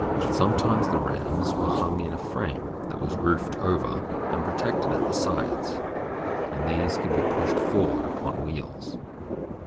Sometimes the rams were hung in a frame that was roofed over and protected at the sides, and these could be pushed forward upon wheels.